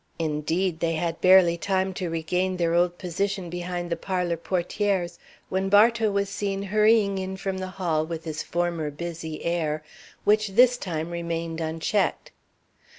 Indeed, they had barely time to regain their old position behind the parlor portières when Bartow was seen hurrying in from the hall with his former busy air, which this time remained unchecked.